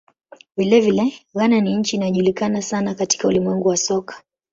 Vilevile, Ghana ni nchi inayojulikana sana katika ulimwengu wa soka.